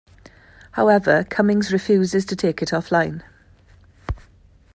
However, Cummings refuses to take it offline.